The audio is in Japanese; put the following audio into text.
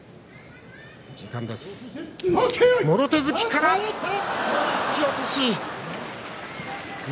もろ手突きから突き落とし錦